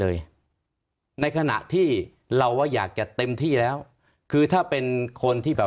ในขณะที่เราว่าอยากจะเต็มที่แล้วคือถ้าเป็นคนที่แบบ